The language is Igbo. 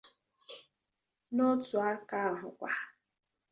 N’otu aka ahụkwa